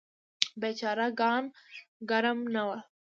بیچاره ګان ګرم نه وو.